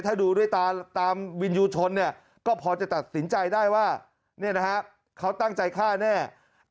ถ้าดูด้วยตามวินยูชนก็พอจะตัดสินใจได้ว่าเขาตั้งใจฆ่าแน่